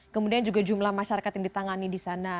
kemudian juga jumlah masyarakat yang ditangani disana